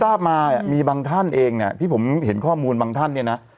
ถ้าที่ผมที่บางท่านเองนะที่ผมเห็นข้อมูลบางท่านเนี้ยนะ